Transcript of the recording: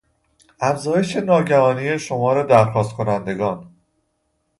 افزایش ناگهانی شمار درخواست کنندگان